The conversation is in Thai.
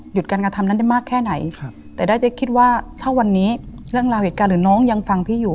การกระทำนั้นได้มากแค่ไหนแต่ได้เจ๊คิดว่าถ้าวันนี้เรื่องราวเหตุการณ์หรือน้องยังฟังพี่อยู่